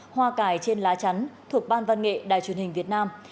hoa cải trên lá chắn thuộc ban văn nghệ đài truyền hình việt nam